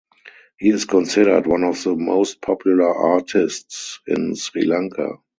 He is considered one of the most popular artists in Sri Lanka.